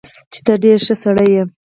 چې تۀ ډېر ښۀ سړے ئې